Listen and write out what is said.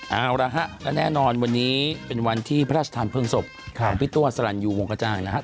เอาละฮะและแน่นอนวันนี้เป็นวันที่พระราชทานเพลิงศพของพี่ตัวสลันยูวงกระจ่างนะครับ